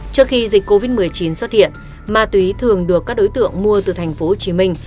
trước khi dịch covid một mươi chín xuất hiện ma túy thường được các đối tượng mua từ thành phố hồ chí minh